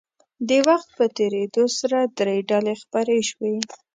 د وخت په تېرېدو سره درې ډلې خپرې شوې.